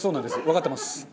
わかってます。